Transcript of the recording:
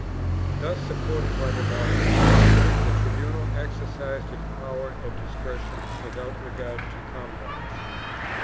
3 Thus supported by the monarch, the tribunal exercised its powers at discretion without regard to compacts.